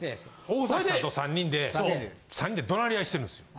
大さんと３人で３人で怒鳴り合いしてるんですよ。